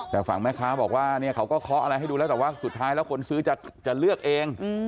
แต่ฝั่งแม่ค้าบอกว่าเนี่ยเขาก็เคาะอะไรให้ดูแล้วแต่ว่าสุดท้ายแล้วคนซื้อจะเลือกเอง